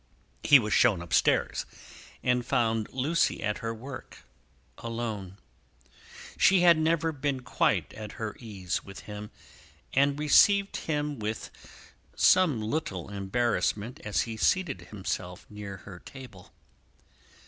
He was shown up stairs, and found Lucie at her work, alone. She had never been quite at her ease with him, and received him with some little embarrassment as he seated himself near her table.